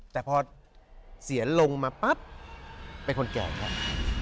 แต่พอเสียลงมาปั๊บเป็นคนแก่ครับ